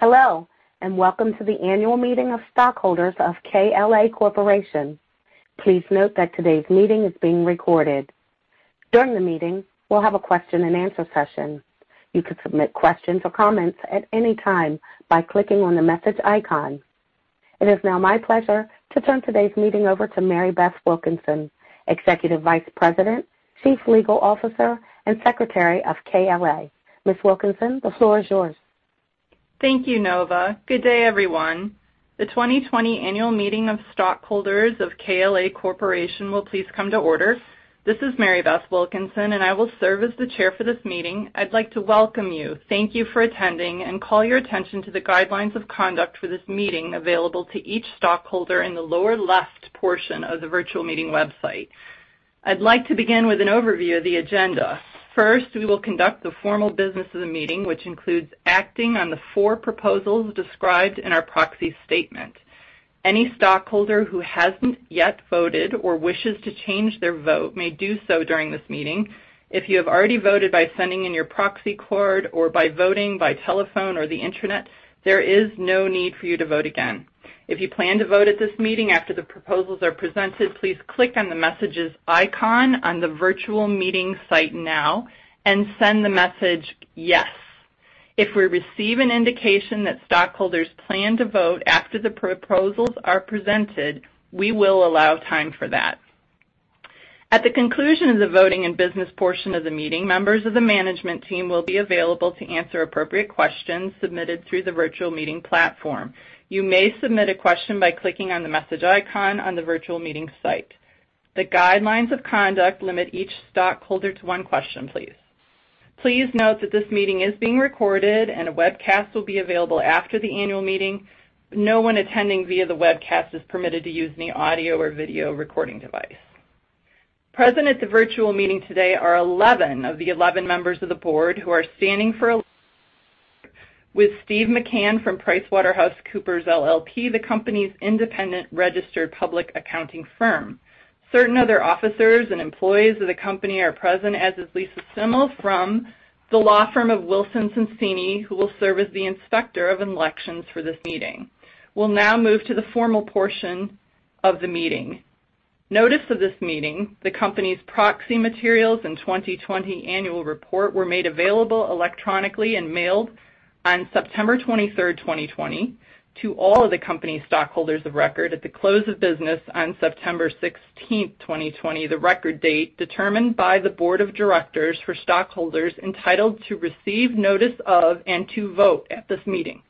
Hello, and welcome to the annual meeting of stockholders of KLA Corporation. Please note that today's meeting is being recorded. During the meeting, we'll have a question-and-answer session. You can submit questions or comments at any time by clicking on the message icon. It is now my pleasure to turn today's meeting over to MaryBeth Wilkinson, Executive Vice President, Chief Legal Officer, and Secretary of KLA. Ms. Wilkinson, the floor is yours. Thank you, Nova. Good day, everyone. The 2020 annual meeting of stockholders of KLA Corporation will please come to order. This is MaryBeth Wilkinson, and I will serve as the chair for this meeting. I'd like to welcome you, thank you for attending, and call your attention to the guidelines of conduct for this meeting, available to each stockholder in the lower left portion of the virtual meeting website. I'd like to begin with an overview of the agenda. First, we will conduct the formal business of the meeting, which includes acting on the four proposals described in our proxy statement. Any stockholder who hasn't yet voted or wishes to change their vote may do so during this meeting. If you have already voted by sending in your proxy card or by voting by telephone or the internet, there is no need for you to vote again. If you plan to vote at this meeting after the proposals are presented, please click on the messages icon on the virtual meeting site now and send the message, "Yes." If we receive an indication that stockholders plan to vote after the proposals are presented, we will allow time for that. At the conclusion of the voting and business portion of the meeting, members of the management team will be available to answer appropriate questions submitted through the virtual meeting platform. You may submit a question by clicking on the message icon on the virtual meeting site. The guidelines of conduct limit each stockholder to one question, please. Please note that this meeting is being recorded, and a webcast will be available after the annual meeting. No one attending via the webcast is permitted to use any audio or video recording device. Present at the virtual meeting today are 11 of the 11 members of the board who are standing for election, with Steve McCann from PricewaterhouseCoopers LLP, the company's independent registered public accounting firm. Certain other officers and employees of the company are present, as is Lisa Stimmell from the law firm of Wilson Sonsini, who will serve as the inspector of elections for this meeting. We'll now move to the formal portion of the meeting. Notice of this meeting, the company's proxy materials, and 2020 annual report were made available electronically and mailed on September 23rd, 2020 to all of the company's stockholders of record at the close of business on September 16th, 2020, the record date determined by the board of directors for stockholders entitled to receive notice of and to vote at this meeting.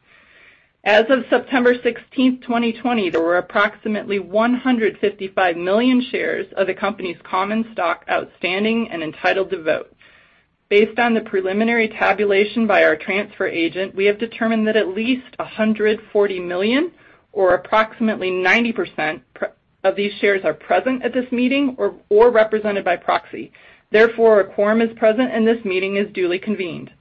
As of September 16th, 2020, there were approximately 155 million shares of the company's common stock outstanding and entitled to vote. Based on the preliminary tabulation by our transfer agent, we have determined that at least 140 million, or approximately 90% of these shares, are present at this meeting or represented by proxy. Therefore, a quorum is present, and this meeting is duly convened.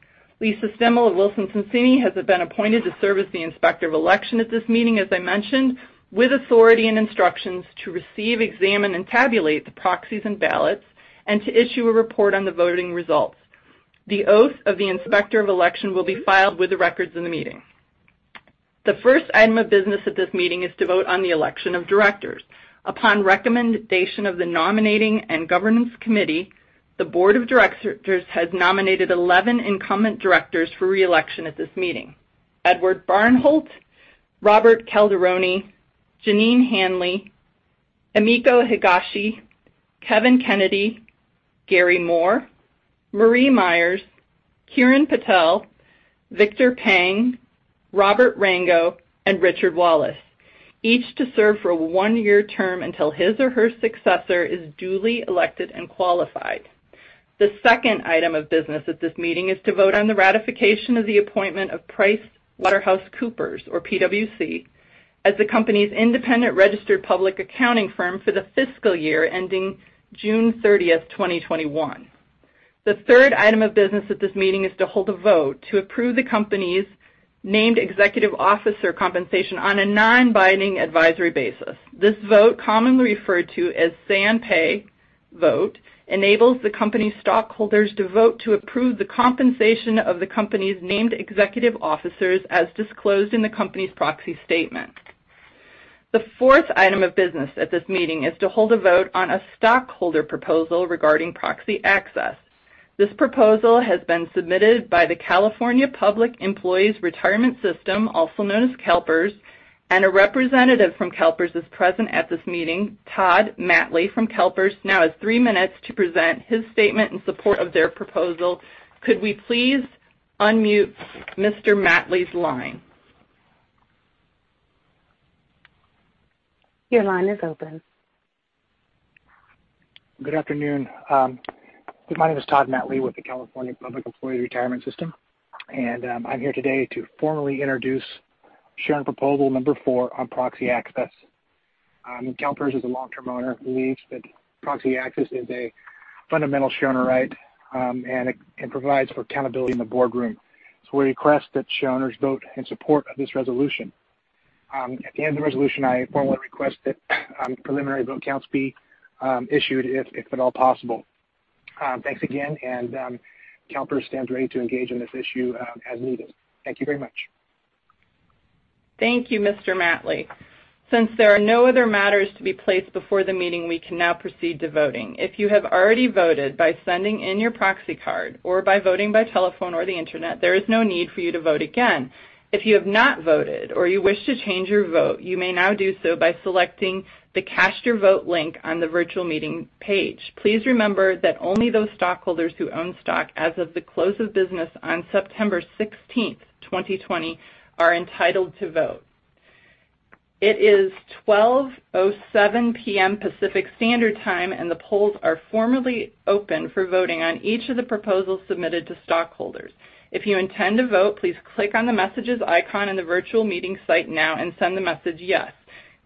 Lisa Semmel of Wilson Sonsini has been appointed to serve as the Inspector of Election at this meeting, as I mentioned, with authority and instructions to receive, examine, and tabulate the proxies and ballots and to issue a report on the voting results. The oath of the Inspector of Election will be filed with the records in the meeting. The first item of business at this meeting is to vote on the election of directors. Upon recommendation of the Nominating and Governance Committee, the board of directors has nominated 11 incumbent directors for re-election at this meeting. Edward Barnholt, Robert Calderoni, Jeneanne Hanley, Emiko Higashi, Kevin Kennedy, Gary Moore, Marie Myers, Kiran Patel, Victor Peng, Robert Rango, and Richard Wallace, each to serve for a one-year term until his or her successor is duly elected and qualified. The second item of business at this meeting is to vote on the ratification of the appointment of PricewaterhouseCoopers, or PwC, as the company's independent registered public accounting firm for the fiscal year ending June 30th, 2021. The third item of business at this meeting is to hold a vote to approve the company's named executive officer compensation on a non-binding advisory basis. This vote, commonly referred to as say on pay vote, enables the company's stockholders to vote to approve the compensation of the company's named executive officers as disclosed in the company's proxy statement. The fourth item of business at this meeting is to hold a vote on a stockholder proposal regarding proxy access. This proposal has been submitted by the California Public Employees' Retirement System, also known as CalPERS, and a representative from CalPERS is present at this meeting. Todd Mattley from CalPERS now has three minutes to present his statement in support of their proposal. Could we please unmute Mr. Mattley's line? Your line is open. Good afternoon. My name is Todd Mattley with the California Public Employees' Retirement System. I'm here today to formally introduce shareholder proposal number four on proxy access. CalPERS is a long-term owner who believes that proxy access is a fundamental shareholder right and it provides for accountability in the boardroom. We request that shareholders vote in support of this resolution. At the end of the resolution, I formally request that preliminary vote counts be issued if at all possible. Thanks again. CalPERS stands ready to engage on this issue as needed. Thank you very much. Thank you, Mr. Mattley. Since there are no other matters to be placed before the meeting, we can now proceed to voting. If you have already voted by sending in your proxy card or by voting by telephone or the internet, there is no need for you to vote again. If you have not voted or you wish to change your vote, you may now do so by selecting the Cast Your Vote link on the virtual meeting page. Please remember that only those stockholders who own stock as of the close of business on September 16th, 2020, are entitled to vote. It is 12:07 P.M. Pacific Standard Time, and the polls are formally open for voting on each of the proposals submitted to stockholders. If you intend to vote, please click on the messages icon in the virtual meeting site now and send the message "Yes."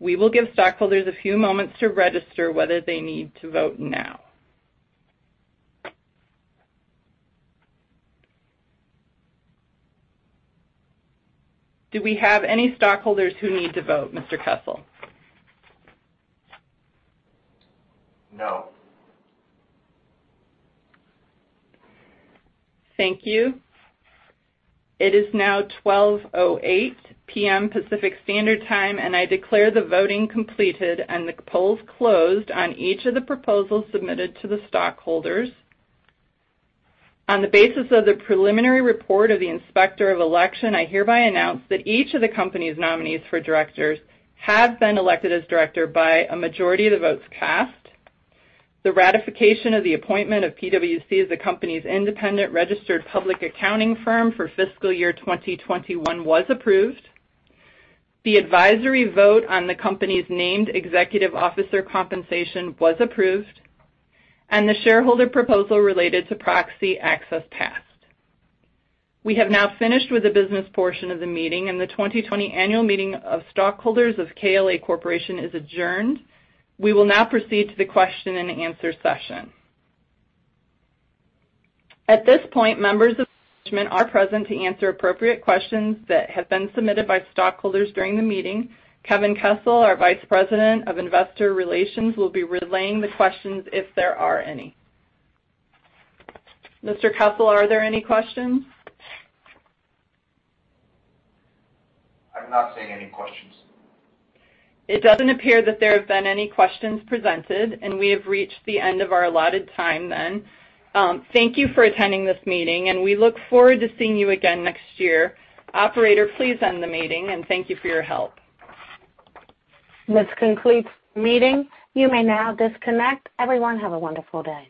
We will give stockholders a few moments to register whether they need to vote now. Do we have any stockholders who need to vote, Mr. Kessel? No. Thank you. It is now 12:08 P.M. Pacific Standard Time, and I declare the voting completed and the polls closed on each of the proposals submitted to the stockholders. On the basis of the preliminary report of the Inspector of Election, I hereby announce that each of the company's nominees for directors have been elected as director by a majority of the votes cast. The ratification of the appointment of PwC as the company's independent registered public accounting firm for fiscal year 2021 was approved. The advisory vote on the company's named executive officer compensation was approved, and the shareholder proposal related to proxy access passed. We have now finished with the business portion of the meeting, and the 2020 annual meeting of stockholders of KLA Corporation is adjourned. We will now proceed to the question-and-answer session. At this point, members of management are present to answer appropriate questions that have been submitted by stockholders during the meeting. Kevin Kessel, our Vice President of Investor Relations, will be relaying the questions if there are any. Mr. Kessel, are there any questions? I'm not seeing any questions. It doesn't appear that there have been any questions presented. We have reached the end of our allotted time then. Thank you for attending this meeting. We look forward to seeing you again next year. Operator, please end the meeting. Thank you for your help. This concludes the meeting. You may now disconnect. Everyone, have a wonderful day.